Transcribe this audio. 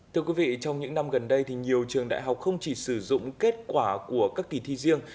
thưa quý vị trong những năm gần đây thì nhiều trường đại học không chỉ sử dụng kết quả của các kỳ thi riêng